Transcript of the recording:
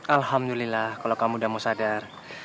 alhamdulillah kalau kamu udah mau sadar